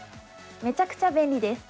めちゃくちゃ便利です。